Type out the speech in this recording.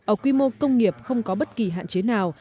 ở quy mô công nghiệp không có bất kỳ hạn chế nào